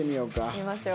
見ましょう。